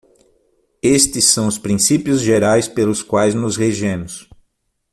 Estes são os princípios gerais pelos quais nos regemos.